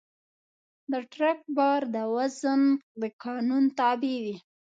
د ټرک بار وزن د قانون تابع وي.